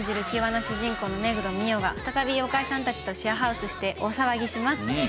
気弱な主人公の目黒澪が再び妖怪さんたちとシェアハウスして大騒ぎします。